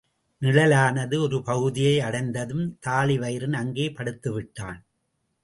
நிழலான ஒரு பகுதியை அடைந்ததும் தாழிவயிறன் அங்கே படுத்துவிட்டான்.